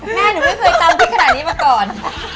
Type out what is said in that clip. แม่หนูไม่เคยตำพริกขนาดนี้มาก่อน